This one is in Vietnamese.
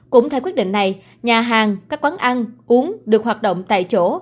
cũng theo quyết định này nhà hàng các quán ăn uống được hoạt động tại chỗ